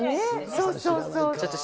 そうそうそう。